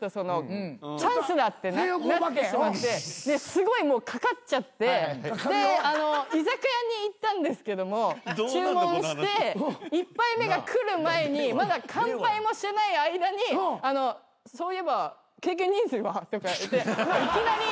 すごいかかっちゃって居酒屋に行ったんですけども注文して１杯目が来る前にまだ乾杯もしてない間に「そういえば経験人数は？」とか言っていきなり。